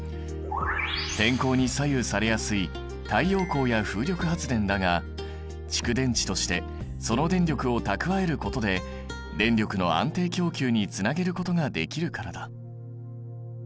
天候に左右されやすい太陽光や風力発電だが蓄電池としてその電力を蓄えることで電力の安定供給につなげることができるからだ。